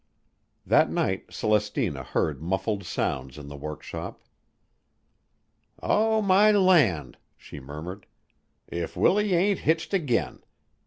That night Celestina heard muffled sounds in the workshop. "Oh, my land!" she murmured. "If Willie ain't hitched again!